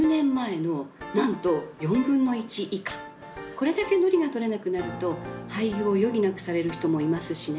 これだけ海苔が取れなくなると廃業を余儀なくされる人もいますしね。